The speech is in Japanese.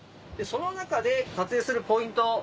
その中で撮影するポイント